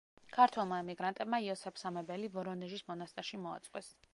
ქართველმა ემიგრანტებმა იოსებ სამებელი ვორონეჟის მონასტერში მოაწყვეს.